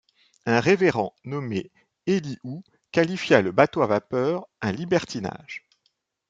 Un révérend, nommé Elihu, qualifia le bateau à vapeur « un libertinage ».